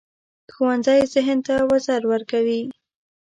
ښوونځی ذهن ته وزر ورکوي